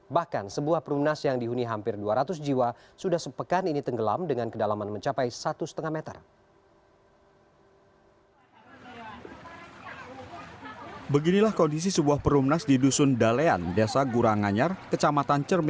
bahkan sebuah perumnas yang dihuni hampir dua ratus jiwa sudah sepekan ini tenggelam dengan kedalaman mencapai satu lima meter